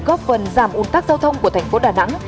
góp phần giảm ủn tắc giao thông của tp đà nẵng